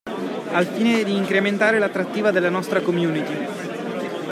Al fine di incrementare l'attrattiva della nostra community.